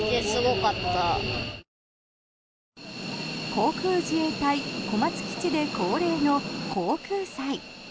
航空自衛隊小松基地で恒例の航空祭。